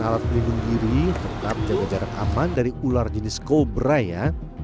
alat pelindung diri tetap jaga jarak aman dari ular jenis kobra ya